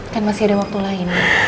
kan masih ada waktu lain